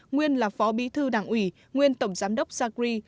nguyên là phó bí thư đảng ủy nguyên tổng giám đốc sacri